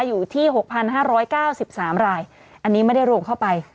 อยู่ที่๖๕๙๓รายอันนี้ไม่ได้รวมเข้าไป